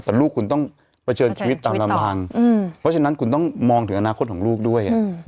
แต่ลูกคุณต้องเผชิญชีวิตตามลำพังเพราะฉะนั้นคุณต้องมองถึงอนาคตของลูกด้วย